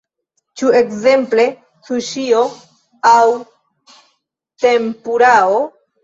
Ĉu ekzemple suŝio aŭ tempurao?